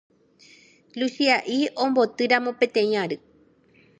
Luchia'i ombotýramo peteĩ ary